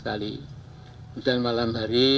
tapi kita harus tarik memori